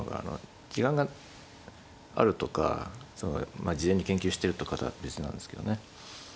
時間があるとか事前に研究してるとかとは別なんですけどね。